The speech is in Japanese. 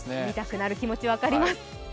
見たくなる気持ち、分かります。